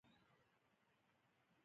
دبلورو په بیدیا به، رود دوینو راخوټیږی